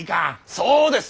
そうです！